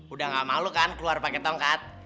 udah gak malu kan keluar pakai tongkat